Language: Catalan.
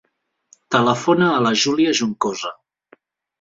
Telefona a la Júlia Juncosa.